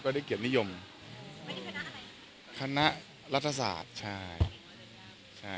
ของขวัญรับปริญญาต้องรอวันรับปริญญา